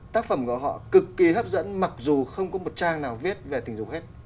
tác phẩm của họ cực kỳ hấp dẫn mặc dù không có một trang nào viết về tình dục hết